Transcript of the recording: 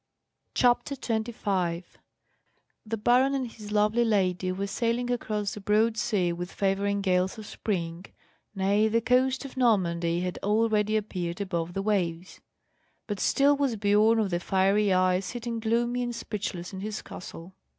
CHAPTER 25 The baron and his lovely lady were sailing across the broad sea with favouring gales of spring, nay the coast of Normandy had already appeared above the waves; but still was Biorn of the Fiery Eye sitting gloomy and speechless in his castle.